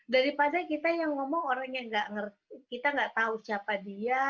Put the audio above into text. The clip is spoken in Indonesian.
daripada kita yang ngomong orang yang kita nggak tahu siapa dia